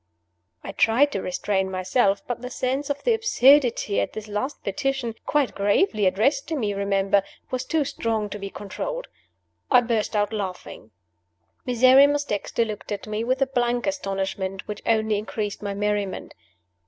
I tried to restrain myself; but the sense of the absurdity of this last petition (quite gravely addressed to me, remember!) was too strong to be controlled. I burst out laughing. Miserrimus Dexter looked at me with a blank astonishment which only increased my merriment.